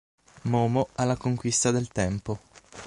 Momo alla conquista del tempo